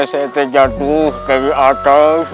saya terjatuh dari atas